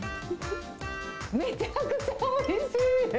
めちゃくちゃおいしい。